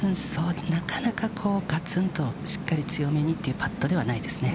なかなかこう、がつんとしっかり強めにというパットではないですね。